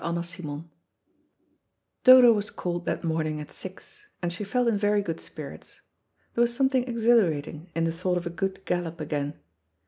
CHAPTER FOURTEEN Dodo was called that morning at six, and she felt in very good spirits. There was something exhilarating in the thought of a good gallop again.